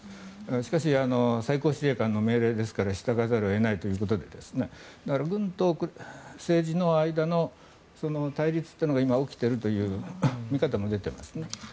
しかし最高司令官の命令ですから従わざるを得ないということで軍と政治の間の対立っていうのが今、起きているという見方も出ていますね。